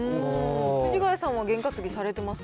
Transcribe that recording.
藤ヶ谷さんはゲン担ぎされてますか？